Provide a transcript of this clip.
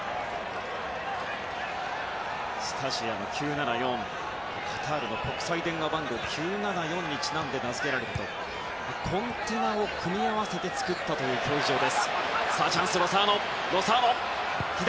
スタジアム９７４はカタールの国際電話番号９７４にちなんで名づけられたコンテナを組み合わせて作ったという会場です。